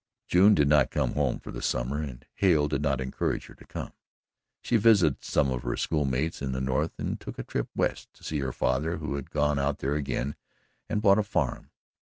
June did not come home for the summer, and Hale did not encourage her to come she visited some of her school mates in the North and took a trip West to see her father who had gone out there again and bought a farm.